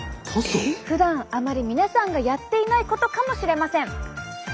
ふだんあまり皆さんがやっていないことかもしれません。